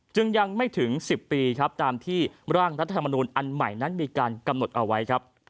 จึงยังไม่ถึง๑๐ปีครับตามที่ร่างรัฐธรรมนูลอันใหม่นั้นมีการกำหนดเอาไว้ครับ